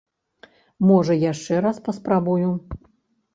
Можа яшчэ раз паспрабую.